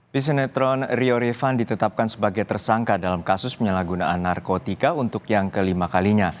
pesenetron rio rifan ditetapkan sebagai tersangka dalam kasus penyalahgunaan narkotika untuk yang kelima kalinya